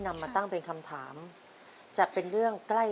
ดูทั้งหมดด้วยกัน๕เรื่อง